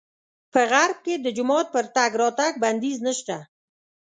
په غرب کې د جومات پر تګ راتګ بندیز نه شته.